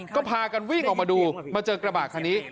ก็พากันวิ่งออกมาดูมาเจอกระบะคันนี้